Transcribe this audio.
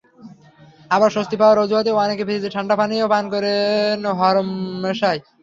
আবার স্বস্তি পাওয়ার অজুহাতে অনেকে ফ্রিজের ঠান্ডা পানিও পান করেন হরহামেশাই।